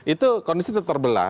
itu kondisi terbelah